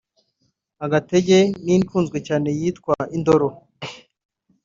‘Agatege’ n’indi ikunzwe cyane yitwa ‘Indoro’